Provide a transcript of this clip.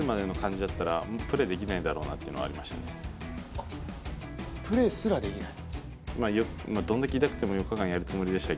あっ、プレーすらできない？